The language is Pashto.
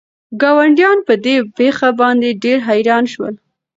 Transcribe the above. ګاونډیان په دې پېښه باندې ډېر حیران شول.